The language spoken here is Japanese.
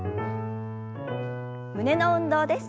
胸の運動です。